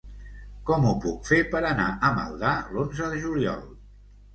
Com ho puc fer per anar a Maldà l'onze de juliol?